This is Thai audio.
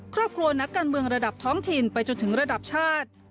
ครอบครัวนักการเมืองระดับท้องถิ่นไปจนถึงระดับชาติ